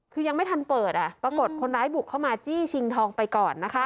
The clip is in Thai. คือยังไม่ทันเปิดปรากฏคนร้ายบุกเข้ามาจี้ชิงทองไปก่อนนะคะ